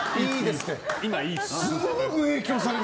すぐ影響される！